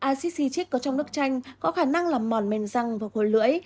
acid citric có trong nước chanh có khả năng làm mòn mền răng và khôi lưỡi